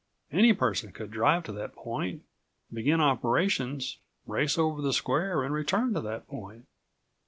Any person could drive to that point, begin operations, race over the square and return to the point."